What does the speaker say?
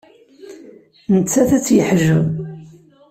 Nettat ad tt-yeḥjeb.